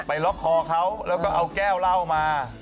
ล็อกคอเขาแล้วก็เอาแก้วเหล้ามา